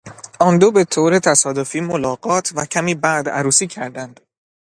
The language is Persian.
آن دو به طور تصادفی ملاقات و کمی بعد عروسی کردند.